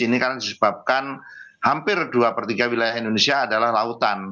ini kan disebabkan hampir dua per tiga wilayah indonesia adalah lautan